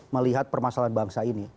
melihat permasalahan bangsa ini